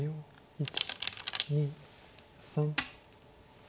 １２３。